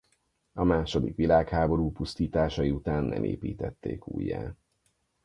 A második világháború pusztításai után nem építették újjá.